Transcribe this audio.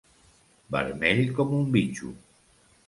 Vermell com un bitxo.